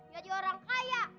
jadi orang kaya